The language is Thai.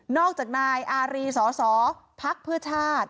นอกจากนายอารีสสพช